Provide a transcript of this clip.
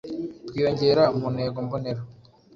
twiyongera mu ntego mbonera.